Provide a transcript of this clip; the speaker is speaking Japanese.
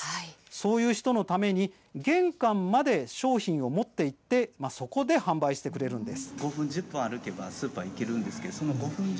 そういう人のために玄関まで商品を持っていってそこで販売してくれるわけです。